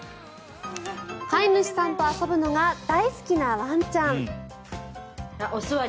飼い主さんと遊ぶのが大好きなワンちゃん。